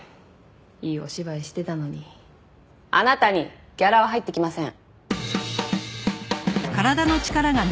いいお芝居してたのにあなたにギャラは入ってきません！